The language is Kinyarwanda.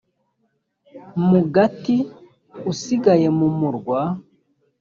mugati usigaye mu murwa